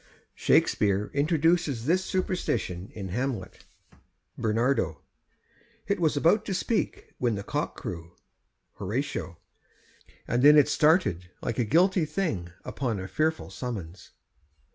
' Shakspeare introduces this superstition in Hamlet: Ber. It was about to speak, when the cock crew. Hor. And then it started like a guilty thing Upon a fearful summons.